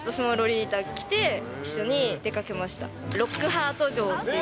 私もロリータ着て、一緒に出かけました。